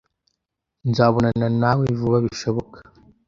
Nzabonana nawe vuba bishoboka